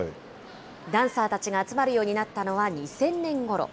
ダンサーたちが集まるようになったのは、２０００年ごろ。